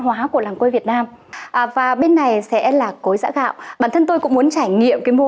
hóa của làng quê việt nam và bên này sẽ là cối giã gạo bản thân tôi cũng muốn trải nghiệm cái mô